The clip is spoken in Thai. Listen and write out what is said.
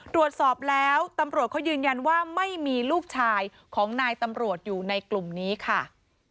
ตรวจสอบแล้วตำรวจเขายืนยันว่าไม่มีลูกชายของนายตำรวจอยู่ในกลุ่มนี้ค่ะ